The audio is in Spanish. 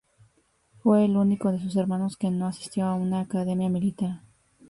Fue el único de sus hermanos que no asistió a una academia militar.